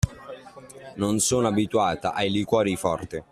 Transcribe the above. Non sono abituata ai liquori forti.